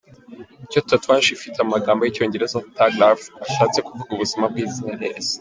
Iyo tatouage ifite amagamo y’icyongereza "Thug Life" ashatse kuvuga ubuzima bw’inzererezi.